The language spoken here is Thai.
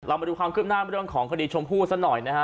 มาดูความคืบหน้าเรื่องของคดีชมพู่ซะหน่อยนะฮะ